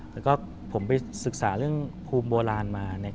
แล้วก็ผมไปศึกษาเรื่องภูมิโบราณมา